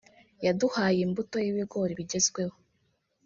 yaduhaye imbuto y’ibigori bigezweho